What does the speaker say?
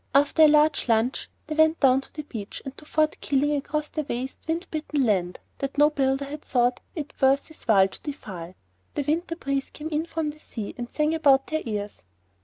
After a large lunch they went down to the beach and to Fort Keeling across the waste, wind bitten land that no builder had thought it worth his while to defile. The winter breeze came in from the sea and sang about their ears.